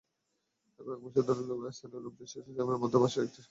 কয়েক বছর আগে স্থানীয় লোকজন স্বেচ্ছাশ্রমের মাধ্যমে বাঁশের একটি সাঁকো তৈরি করেন।